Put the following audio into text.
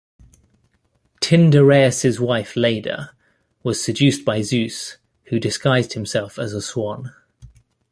Tyndareus' wife Leda was seduced by Zeus, who disguised himself as a swan.